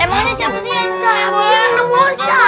emangnya siapus ini ya